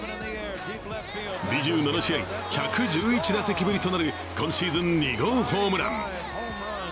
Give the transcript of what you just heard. ２７試合・１１１打席ぶりとなる今シーズン２号ホームラン。